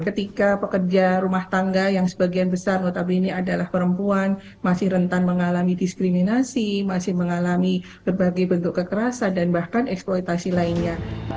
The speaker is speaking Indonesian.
ketika pekerja rumah tangga yang sebagian besar notabene adalah perempuan masih rentan mengalami diskriminasi masih mengalami berbagai bentuk kekerasan dan bahkan eksploitasi lainnya